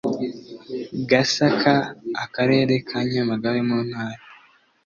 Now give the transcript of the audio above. Gasaka Akarere ka Nyamagabe mu Ntara